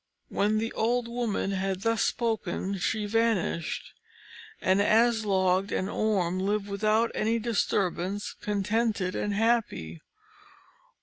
When the old woman had thus spoken she vanished, and Aslog and Orm lived without any disturbance, contented and happy.